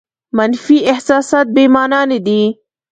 منفي احساسات بې مانا نه دي.